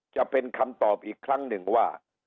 จะเป็นคำตอบอีกครั้งหนึ่งว่า